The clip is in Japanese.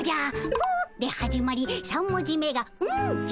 「ぷ」で始まり３文字目が「ん」じゃ。